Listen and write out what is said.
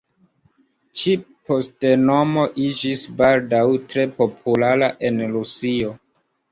Ĉi-pseŭdonomo iĝis baldaŭ tre populara en Rusio.